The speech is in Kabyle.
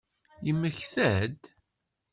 Yemmekta-d?